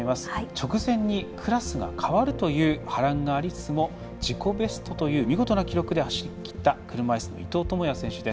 直前にクラスが変わるという波乱がありつつも自己ベストという見事な記録で走りきった車いすの伊藤智也選手。